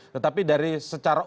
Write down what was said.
tetapi dari secara